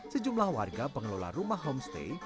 sejumlah warga pengelola rumah homestay